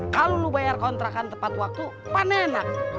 nah kalau lu bayar kontrakan tepat waktu panenak